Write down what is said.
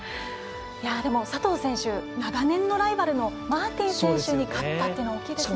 佐藤選手、長年のライバルのマーティン選手に勝ったというのは大きいですよね。